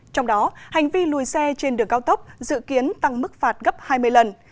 trong đó hành vi lùi xe trên đường cao tốc dự kiến tăng mức phạt gấp hai mươi lần